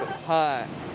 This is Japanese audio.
はい。